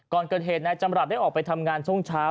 ก่อนเกิดเหตุนายจำรัฐได้ออกไปทำงานช่วงเช้า